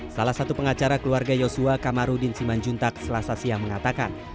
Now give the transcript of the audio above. salah satu pengacara keluarga yosua kamarudin simanjuntak selasa siang mengatakan